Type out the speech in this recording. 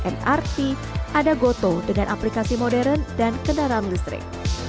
mrt ada gotoh dengan aplikasi modern dan kendaraan listrik